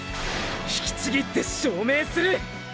引きちぎって証明する！！